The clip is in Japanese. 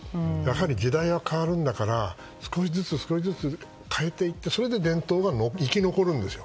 時代は変わるんだから少しずつ、少しずつ変えていってそれで伝統が生き残るんですよ。